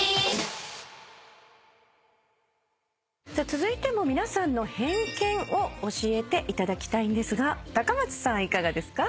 続いても皆さんの偏見を教えていただきたいんですが松さんいかがですか？